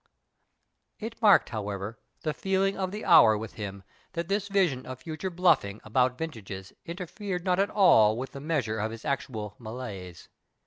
It marked, however, the feeling of the hour with him that this vision of future " bluffing " about vintages interfered not at all with the measure pf his actual malaise.